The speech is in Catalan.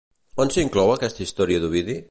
On s'inclou aquesta història d'Ovidi?